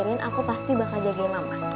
biarin aku pasti bakal jagain mama